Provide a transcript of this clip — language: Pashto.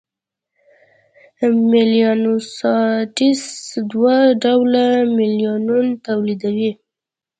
میلانوسایټس دوه ډوله میلانون تولیدوي: